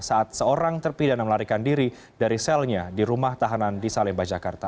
saat seorang terpidana melarikan diri dari selnya di rumah tahanan di salemba jakarta